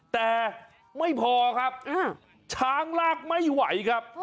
แต่ไม่พอครับช้างลากไม่ไหวครับ